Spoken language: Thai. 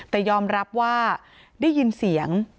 แต่ยอมรับว่าได้ยินเสียง